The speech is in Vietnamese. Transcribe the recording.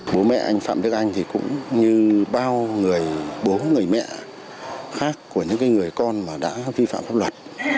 bố mẹ anh phạm đức anh thì cũng như bao người bố người mẹ khác của những người con mà đã vi phạm pháp luật